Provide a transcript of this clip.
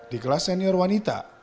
di kelas senior wanita